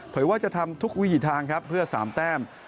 เผยว่าจะทำทุกวิทย์ทางเพื่อ๓แต้ม